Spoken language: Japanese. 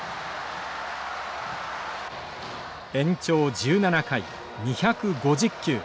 延長１７回２５０球。